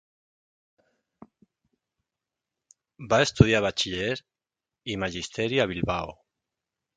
Va estudiar Batxiller i Magisteri a Bilbao.